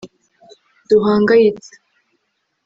duhangayitse